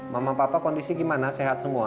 mama papa kondisi gimana sehat semua